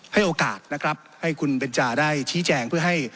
ให้โอกาสนะครับให้คุณเบนจาได้ชี้แจงเพื่อให้